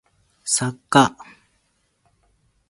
作家